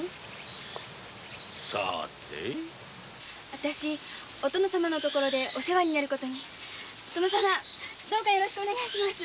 私お殿様のところでお世話になる事にどうかよろしくお願いします。